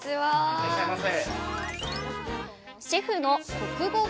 いらっしゃいませ。